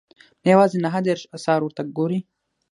نه یوازې نهه دېرش اثار ورته ګوري.